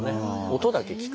音だけ聞く。